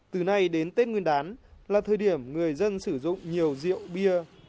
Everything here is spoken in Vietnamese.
từ nay đến tết nguyên đán là thời điểm người dân sử dụng nhiều rượu bia